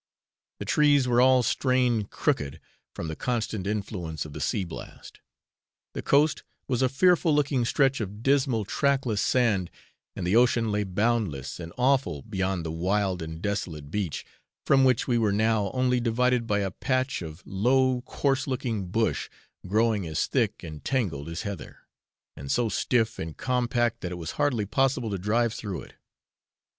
The trees were all strained crooked, from the constant influence of the sea blast. The coast was a fearful looking stretch of dismal, trackless sand, and the ocean lay boundless and awful beyond the wild and desolate beach, from which we were now only divided by a patch of low coarse looking bush, growing as thick and tangled as heather, and so stiff and compact that it was hardly possible to drive through it.